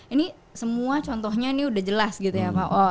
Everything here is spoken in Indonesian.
ini semua contohnya ini udah jelas gitu ya pak